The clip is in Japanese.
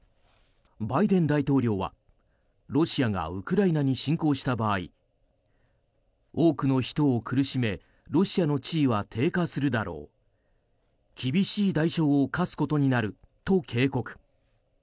バイデン大統領は、ロシアがウクライナに侵攻した場合多くの人を苦しめロシアの地位は低下するだろう厳しい代償を課すことになると警告。